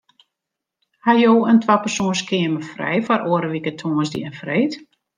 Ha jo in twapersoans keamer frij foar oare wike tongersdei en freed?